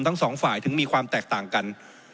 ทั้งสองฝ่ายถึงมีความแตกต่างกัน